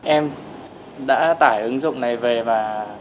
em đã tải ứng dụng này về và